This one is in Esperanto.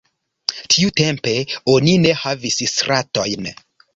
Tiu tempe, oni ne havis stratojn.